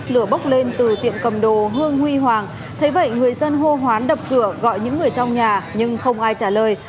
lửa bốc lên từ tiệm cầm đồ hương huy hoàng thế vậy người dân hô hoán đập cửa gọi những người trong nhà nhưng không ai trả lời